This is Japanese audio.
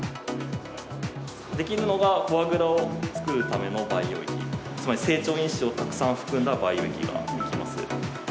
出来るのがフォアグラを作るための培養液、つまり成長因子をたくさん含んだ培養液が出来ます。